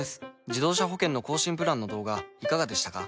自動車保険の更新プランの動画いかがでしたか？